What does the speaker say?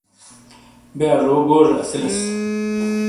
بے اجو گوجے اسیلیس۔